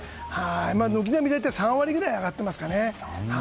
軒並み３割ぐらい上がっていますかね。